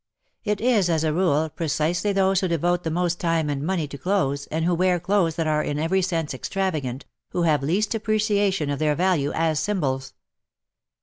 It is, as a rule, precisely those who devote the most time and money to clothes, and who wear clothes that are in every sense extravagant, who have least appreciation of their value as symbols.